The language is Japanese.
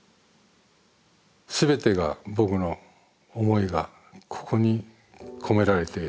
全てが僕の思いがここに込められている。